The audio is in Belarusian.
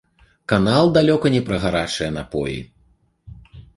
Канал далёка не пра гарачыя напоі.